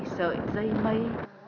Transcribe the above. bảy sợi dây mây